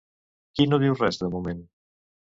Qui no diu res de moment?